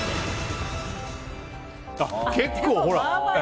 結構、ほら。